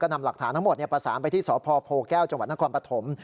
นำหลักฐานทั้งหมดประสานไปที่สพโพแก้วจังหวัดนครปฐม